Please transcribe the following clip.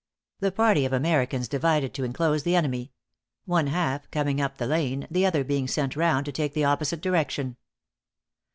The party of Americans divided to enclose the enemy; one half coming up the lane, the other being sent round to take the opposite direction.